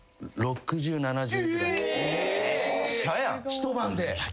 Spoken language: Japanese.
一晩で？